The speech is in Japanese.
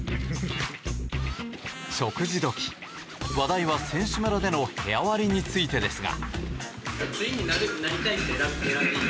食事時、話題は選手村での部屋割りについてですが。